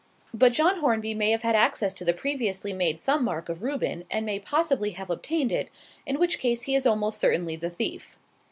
"But John Hornby may have had access to the previously made thumb mark of Reuben, and may possibly have obtained it; in which case he is almost certainly the thief.